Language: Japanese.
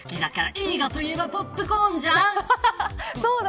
映画といえばポップコーンじゃん。